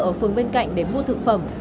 ở phương bên cạnh để mua thực phẩm